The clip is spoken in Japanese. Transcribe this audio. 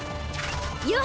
よし！